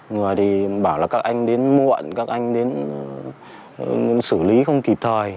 người thì bảo là các anh đến muộn các anh đến xử lý không kịp thời